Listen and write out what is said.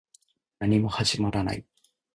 何も始まらない